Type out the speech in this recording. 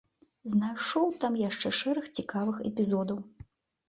Знайшоў там яшчэ шэраг цікавых эпізодаў.